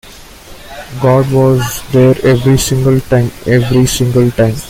God was there every single time, every single time.